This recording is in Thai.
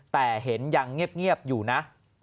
แต่เห็นยังเงียบอยู่นะ